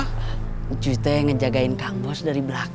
kamu tuh yang menjaga kang bos dari bapak